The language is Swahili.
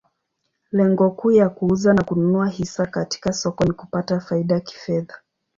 Lengo kuu ya kuuza na kununua hisa katika soko ni kupata faida kifedha.